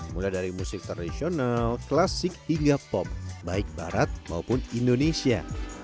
mulai dari musik tradisional klasik hingga pop baik barat maupun indonesia